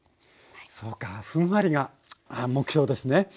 そうかふんわりが目標ですね。